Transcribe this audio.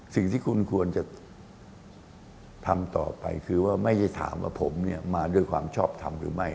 สิ่งที่คุณควรจะทำต่อไปคือว่าไม่ได้ถามว่าผมเนี่ยมาด้วยความชอบทำหรือไม่